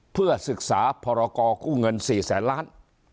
เพื่อศึกษาพรกู้เงิน๔แสนล้าน